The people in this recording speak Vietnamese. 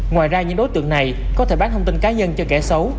ngoài ra những đối tượng này có thể bán thông tin cá nhân cho kẻ xấu